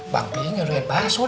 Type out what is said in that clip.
bang pi nyuruhin bakso den